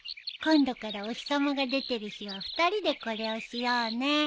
今度からお日さまが出てる日は２人でこれをしようね。